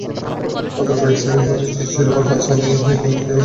মাত্র কয়েক সেকেন্ড দূরেই ছিল শিরোপার হাতছানি, তখনই থমকে গেল মহাকাল।